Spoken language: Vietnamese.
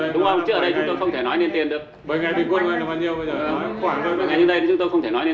đúng không chứ ở đây chúng tôi không thể nói lên tiền được